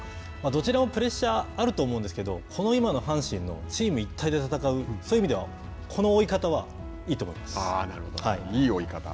どちらもプレッシャーがあると思うんですけど今の阪神のチーム一体で戦うそういう意味ではこの追い方はいいと思います。